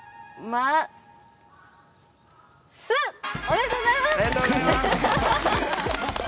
おめでとうございます！